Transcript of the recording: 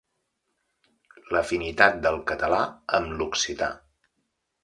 L'afinitat del català amb l'occità.